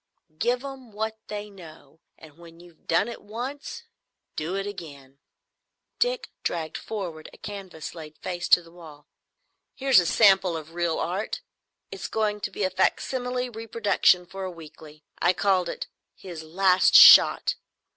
"Give 'em what they know, and when you've done it once do it again." Dick dragged forward a canvas laid face to the wall. "Here's a sample of real Art. It's going to be a facsimile reproduction for a weekly. I called it "His Last Shot."